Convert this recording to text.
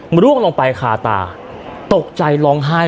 มันร่วงลงไปคาตาตกใจร้องไห้